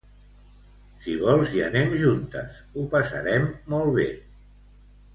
si vols, hi anem juntes, ho passarem molt be.